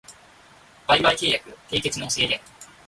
売買契約締結の制限